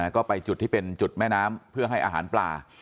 ก็ไปจุดที่เป็นจุดแม่น้ำเพื่อให้อาหารปลา